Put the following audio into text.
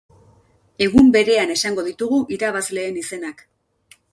Egun berean esango ditugu irabazleen izenak.